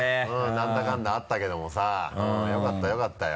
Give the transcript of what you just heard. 何だかんだあったけどもさよかったよかったよ。